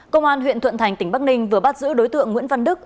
công an huyện thuận thành tỉnh bắc ninh vừa bắt giữ đối tượng nguyễn văn đức